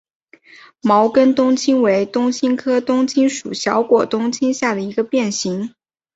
毛梗冬青为冬青科冬青属小果冬青下的一个变型。